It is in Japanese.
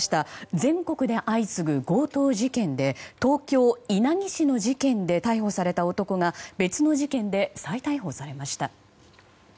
全国で相次ぐ強盗事件で東京・稲城市の事件で逮捕された男が別の事件で再逮捕されました。